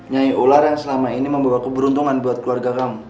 nyanyi ular yang selama ini membawa keberuntungan buat keluarga kamu